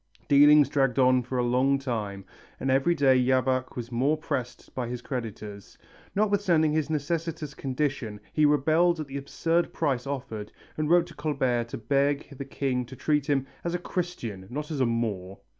Dealings dragged on for a long time, and every day Jabach was more pressed by his creditors. Notwithstanding his necessitous condition he rebelled at the absurd price offered and wrote to Colbert to beg the king to treat him "as a Christian, and not as a Moor."